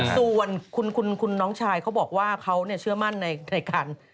ส่วนคุณน้องชายเขาบอกว่าเขาเชื่อมั่นในการ